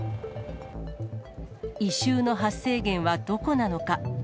異臭の発生源はどこなのか。